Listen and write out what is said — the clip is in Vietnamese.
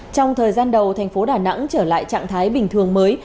trong thời gian đầu tp đà nẵng trở lại trạng thái bình thường mới